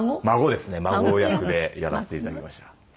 孫役でやらせていただきました。